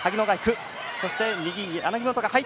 そして右、柳本。